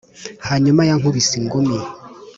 Hanyuma yankubise ingumi